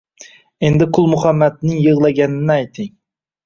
Endi Qulmuhammadning yig‘laganini ayting